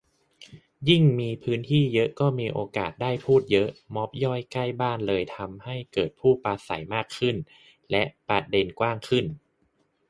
ยิ่งมีพื้นที่เยอะก็มีโอกาสได้พูดเยอะ ม็อบย่อยใกล้บ้านเลยทำให้เกิดผู้ปราศัยมากขึ้นและประเด็นกว้างขึ้น